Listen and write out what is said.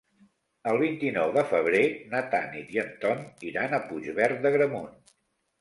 El vint-i-nou de febrer na Tanit i en Ton iran a Puigverd d'Agramunt.